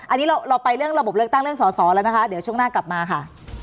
อันนี้เราไปเรื่องระบบเลือกตั้งเรื่องสอสอแล้วนะคะเดี๋ยวช่วงหน้ากลับมาค่ะ